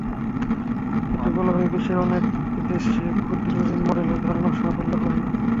এতে বলা হয়, বিশ্বের অনেক দেশে ক্ষুদ্রঋণ মডেলের ধারণা সাফল্য পায়নি।